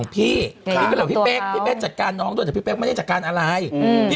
พี่ก็เล่าพี่เบ๊กจัดการนองเดี๋ยวพี่เบ๊กไม่ได้จัดการอะไร